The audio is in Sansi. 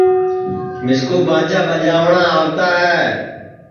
مِسکُو باجا ٻجاوٹؔا آوتا ہے